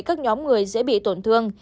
các nhóm người dễ bị tổn thương